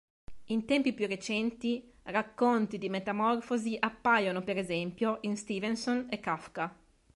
In tempi più recenti, racconti di metamorfosi appaiono, per esempio, in Stevenson e Kafka.